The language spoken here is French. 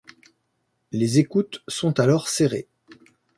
Les écoutes sont alors serrées.